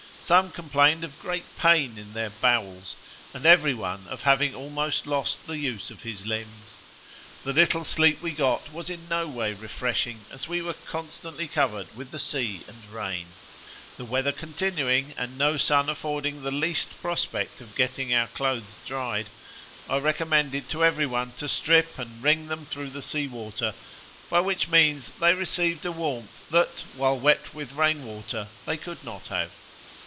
Some complained of great pain in their bowels, and every one of having almost lost the use of his limbs. The little sleep we got was in no way refreshing, as we were constantly covered with the sea and rain. The weather continuing, and no sun affording the least prospect of getting our clothes dried, I recommended to every one to strip and wring them through the sea water, by which means they received a warmth that, while wet with rain water, they could not have.'